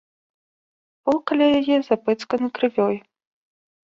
Пол каля яе запэцканы крывёй.